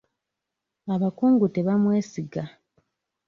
Abakungu tebamwesiga.